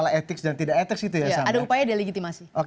ada upaya delegitimasi